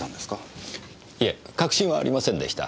いえ確信はありませんでした。